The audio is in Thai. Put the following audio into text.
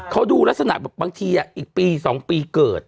เขาดูลักษณะแบบบางทีอีกปี๒ปีเกิด